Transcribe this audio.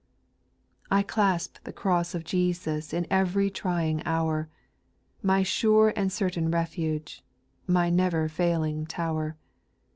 8. I clasp the cross of Jesus In ev'ry trying hour, My sure and certain refuge, My never failing tower.